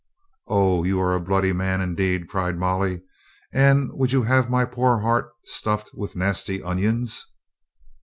"O, you are a bloody man indeed," cried Molly. "And would you have my poor heart stuffed with nasty onions?"